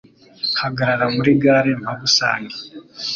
Hagarara muri gare mpagusange